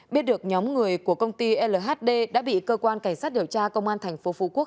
biết được nhóm người của công ty lhd đã bị cơ quan cảnh sát điều tra công an thành phố phú quốc